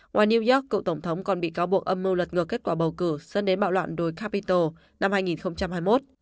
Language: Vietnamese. ngoài new york cựu tổng thống còn bị cáo buộc âm mưu lật ngược kết quả bầu cử dẫn đến bạo loạn đồi capital năm hai nghìn hai mươi một